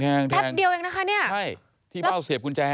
แป๊บเดียวเองนะคะเนี่ยใช่ที่เบ้าเสียบกุญแจ